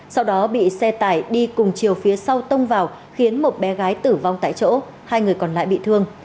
sau đó bị xe tải đi cùng chiều phía sau tông vào khiến một bé gái tử vong tại chỗ hai người còn lại bị thương